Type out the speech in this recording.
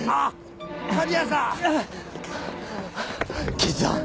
刑事さん。